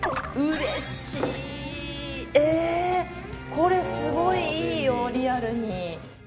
これすごいいいよリアルに。